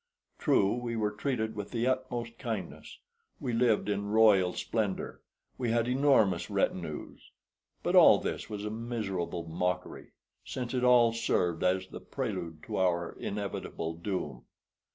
True, we were treated with the utmost kindness, we lived in royal splendor, we had enormous retinues; but all this was a miserable mockery, since it all served as the prelude to our inevitable doom.